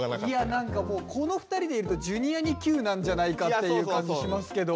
何かもうこの２人でいると「Ｊｒ．にＱ」なんじゃないかっていう感じしますけど。